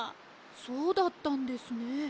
そうだったんですね。